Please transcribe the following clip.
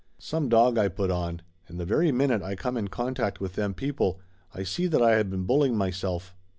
Some dog I put on, and the very minute I come in con tact with them people I see that I had been bulling my self.